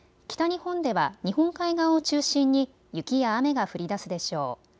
北日本では日本海側を中心に雪や雨が降りだすでしょう。